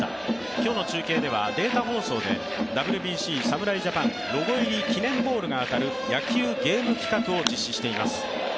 今日の中継ではデータ放送でＷＢＣ侍ジャパンロゴ入り記念ボールが当たる野球ゲーム企画を実施しています。